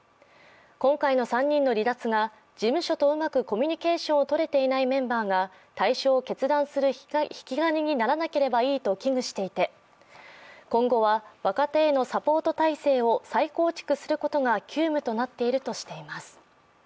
今回の３人の離脱が事務所とうまくコミュニケーションをとれていないメンバーが退所を決断する引き金にならなければいいと危惧していて、今後は、若手へのサポート体制を再構築することが急務となっているとしています。